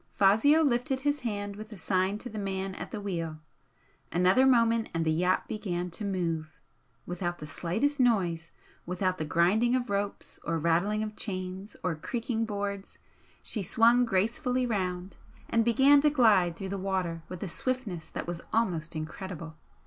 Fazio lifted his hand with a sign to the man at the wheel. Another moment and the yacht began to move. Without the slightest noise, without the grinding of ropes, or rattling of chains, or creaking boards, she swung gracefully round, and began to glide through the water with a swiftness that was almost incredible.